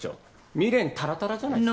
未練たらたらじゃないですか。